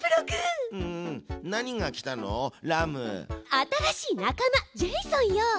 新しい仲間ジェイソンよ！